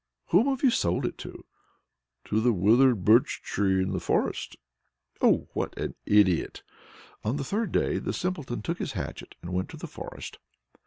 "Whom have you sold it to?" "To the withered Birch tree in the forest." "Oh, what an idiot!" On the third day the Simpleton took his hatchet and went to the forest.